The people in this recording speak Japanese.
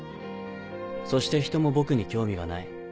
そしてひとも僕に興味がない。